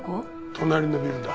隣のビルだ。